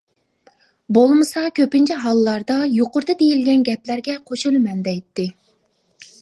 بولمىسا كۆپىنچە ھاللاردا «يۇقىرىدا دېيىلگەن گەپلەرگە قوشۇلىمەن» دەيتتى.